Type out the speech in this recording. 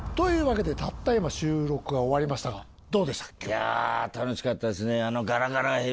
いやあ楽しかったですね。